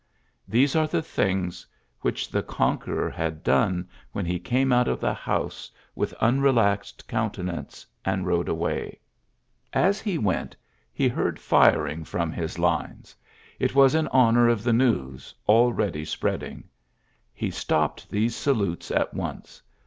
These are the things wh the conqueror had done when he ca out of the house with unrelaxed com nance, and rode away. As he went, heard firing from his lines. It was honour of the news, already spreadi He stopped these salutes at once.